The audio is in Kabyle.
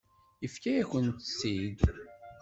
Yefka-yakent-tt-id.